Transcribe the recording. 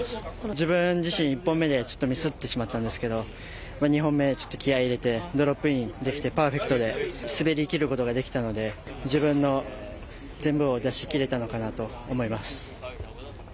自分自身、１本目でちょっとミスってしまったんですけど２本目ちょっと気合い入れてドロップインできてパーフェクトで滑りきることができたので、自分の全部を出し切れたのかなと思います。